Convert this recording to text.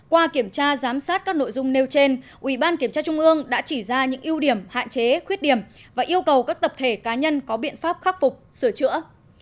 qua kiểm tra giám sát các nội dung nêu trên ủy ban kiểm tra trung ương đã chỉ ra những ưu điểm hạn chế khuyết điểm và yêu cầu các tập thể cá nhân có biện pháp khắc phục sửa chữa